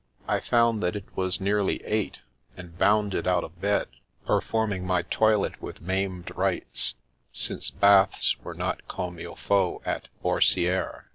I found that it was nearly eight, and bounded out of bed, performing my toilet with maimed rites, since baths were not comme il faut at Orsieres.